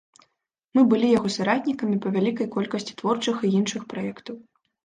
Мы былі яго саратнікамі па вялікай колькасці творчых і іншых праектаў.